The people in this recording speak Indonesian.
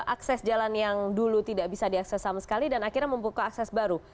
akses jalan yang dulu tidak bisa diakses sama sekali dan akhirnya membuka akses baru